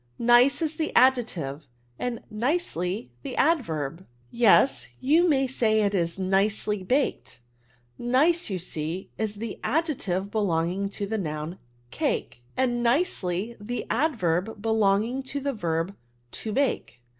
Nice is the adjective, and nicefy the adverb. '' Yes ; you may say it is nicely baked^. Nice^ you see, is the adjective beloi^B^g ta the noun cake, and nieehf tiie adverb belong* ing to the verb to hake.